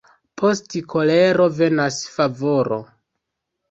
Post kolero venas favoro.